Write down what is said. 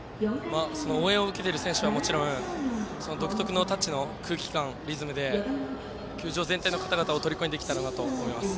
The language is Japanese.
応援を受けている選手はもちろん独特の「タッチ」の空気感、リズムで球場全体の方々をとりこにできたらと思います。